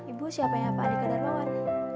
ibu siapa ya pak andika darmawan